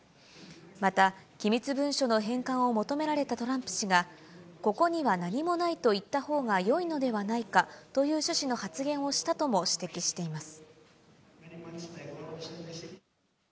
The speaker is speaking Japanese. また、機密文書の返還を求められたトランプ氏が、ここには何もないと言ったほうがよいのではないかという趣旨の発言をしたとも指摘しています。